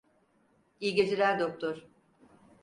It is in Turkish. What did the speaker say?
İyi geceler doktor.